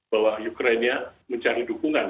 bahwa ukraina mencari dukungan